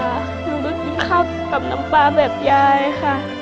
หนูก็กินข้าวกับน้ำปลาแบบยายค่ะ